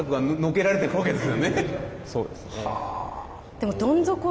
そうですね。